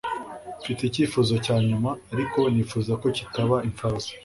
Mfite icyifuzo cya nyuma, ariko nifuza ko kitaba imfabusa